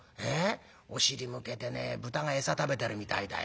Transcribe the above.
お尻向けてね豚が餌食べてるみたいだよ。